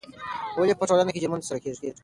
ولې په ټولنه کې جرمونه ترسره کیږي؟